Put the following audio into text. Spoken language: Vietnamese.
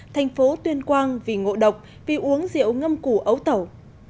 thành phố tuyên quang vì ngộ độc vì uống rượu ngâm củ ấu tẩu